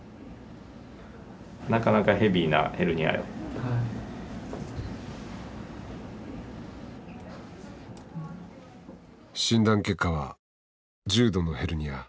はい。診断結果は重度のヘルニア。